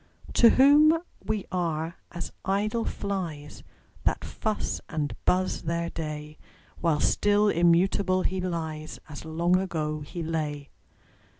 To whom we are as idle flies, That fuss and buzz their day; While still immutable he lies, As long ago he lay.